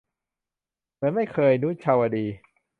เหมือนไม่เคย - นุชาวดี